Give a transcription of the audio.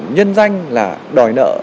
nhân danh là đòi nợ